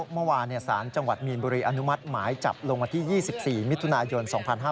เมื่อวานสารจังหวัดมีนบุรีอนุมัติหมายจับลงวันที่๒๔มิถุนายน๒๕๕๙